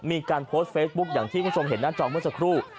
มีการโพสต์เฟซบุ๊คอย่างที่คุณผู้ชมเห็นหน้าจอเมื่อสักครู่